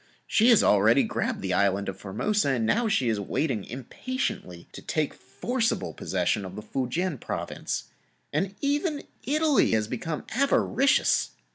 She has already grabbed the Island of Formosa and now she is waiting impatiently to take forcible possession of the Foo Kien Province. And even Italy has become avaricious.